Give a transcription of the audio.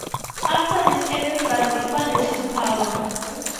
After this Emir Gazi expanded his powers.